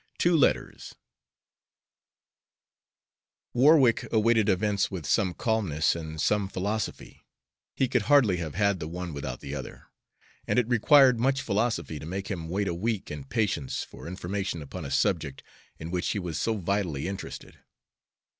XVII TWO LETTERS Warwick awaited events with some calmness and some philosophy, he could hardly have had the one without the other; and it required much philosophy to make him wait a week in patience for information upon a subject in which he was so vitally interested.